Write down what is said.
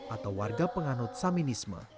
atau warga penganut saminisme